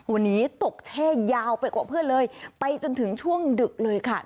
วันนี้ตกแช่ยาวไปกว่าเพื่อนเลยไปจนถึงช่วงดึกเลยค่ะ